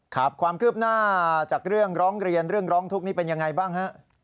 ครับความคืบหน้าจากเรื่องร้องเรียนเรื่องร้องทุกข์นี่เป็นยังไงบ้างฮะ